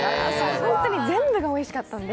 本当に全部がおいしかったんで。